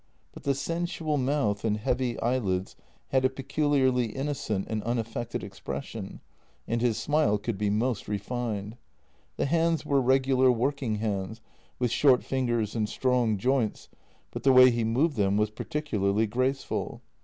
But the sensual mouth and heavy eyelids had a peculiarly innocent and unaffected ex pression, and his smile could be most refined. The hands were regular working hands, with short fingers and strong joints, but the way he moved them was particularly graceful.